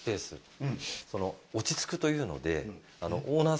落ち着くというので。